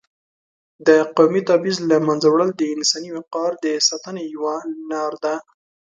د قومي تبعیض له منځه وړل د انساني وقار د ساتنې یوه لار ده.